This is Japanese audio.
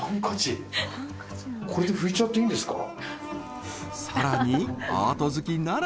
これで拭いちゃっていいんですか？